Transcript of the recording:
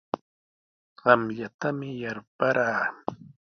Qamllatami yarparaa.